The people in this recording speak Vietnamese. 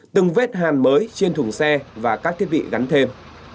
từng vết hàn mới trên thùng xe và các thiết bị gắn thêm